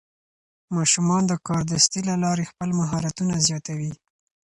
ماشومان د کاردستي له لارې خپل مهارتونه زیاتوي.